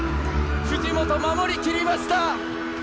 藤本、守りきりました！